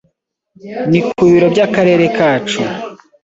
ni kubiro by’akarere kacu